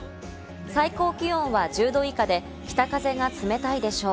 最高気温は１０度以下で北風が冷たいでしょう。